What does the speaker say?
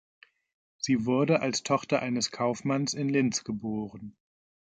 Sie wurde als Tochter eines Kaufmanns in Linz geboren.